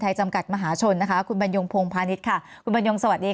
จำกัดมหาชนนะคะคุณบรรยงพงพาณิชย์ค่ะคุณบรรยงสวัสดีค่ะ